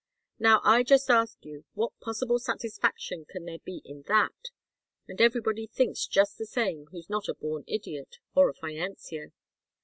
Now, I just ask you, what possible satisfaction can there be in that? And everybody thinks just the same who's not a born idiot or a financier.